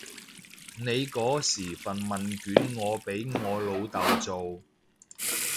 你嗰時份問卷我俾我老豆做